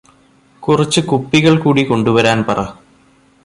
കുറച്ച് കുപ്പികൾ കൂടി കൊണ്ടുവരാൻ പറ